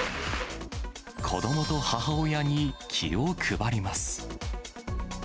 子どもと母親に気を配ります。